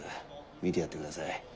見てやってください。